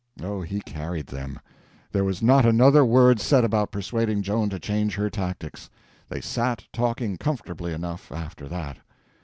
Oh, he carried them. There was not another word said about persuading Joan to change her tactics. They sat talking comfortably enough after that.